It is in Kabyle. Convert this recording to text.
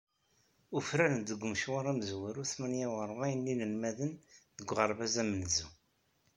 Ufaren-d deg umecwar amezwaru tmanya u rebεin n yinelmaden deg uɣerbaz amenzu.